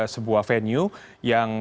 sebuah venue yang